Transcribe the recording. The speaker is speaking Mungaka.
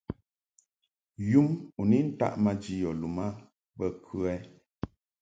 Yum u ni ntaʼ maji yɔ lum a bə kə ?